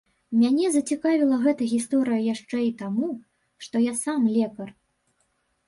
Мяне зацікавіла гэта гісторыя яшчэ і таму, што я сам лекар.